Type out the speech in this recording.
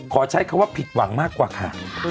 ใช้คำว่าผิดหวังมากกว่าค่ะ